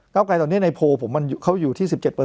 ๙ไกลตอนนี้ในโปลของเราเขาอยู่ที่๑๗